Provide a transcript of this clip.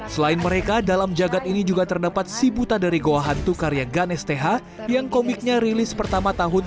selain mereka dalam jagad ini juga terdapat si buta dari goa hantu karya ganes th yang komiknya rilis pertama tahun seribu sembilan ratus